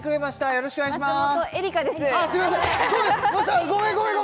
よろしくお願いします